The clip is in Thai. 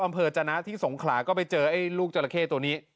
อัมเภอจนนที่สงขลาก็ไปเจอลูกจระเขตัวนี้